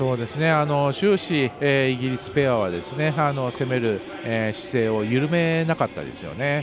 終始、イギリスペアは攻める姿勢を緩めなかったですね。